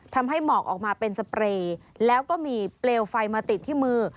หมอกออกมาเป็นสเปรย์แล้วก็มีเปลวไฟมาติดที่มือ